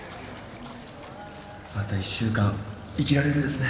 また１週間生きられるですね。